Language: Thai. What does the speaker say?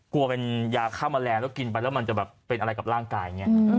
กลัวเป็นยาข้ามแมลงแล้วกินไปแล้วมันจะเป็นอะไรกับร่างกาย